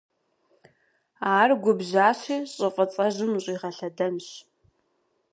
Ар губжьащи щӀы фӀыцӀэжьым ущӀигъэлъэдэнщ.